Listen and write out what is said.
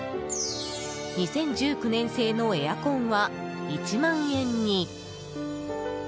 ２０１９年製のエアコンは１万円に。